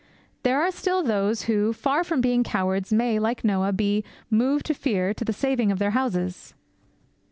There are still those who, far from being cowards, may, like Noah, be 'moved with fear' to the saving of their houses.